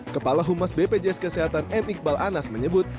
kepala humas bpjs kesehatan m iqbal anas menyebut